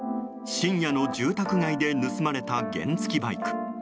深夜の住宅街で盗まれた原付きバイク。